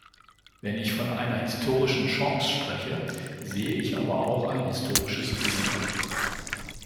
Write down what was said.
Wenn ich von einer historischen Chance spreche, sehe ich aber auch ein historisches Risiko.